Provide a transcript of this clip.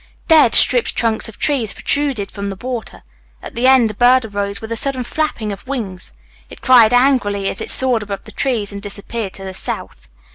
Dead, stripped trunks of trees protruded from the water. At the end a bird arose with a sudden flapping of wings; it cried angrily as it soared above the trees and disappeared to the south.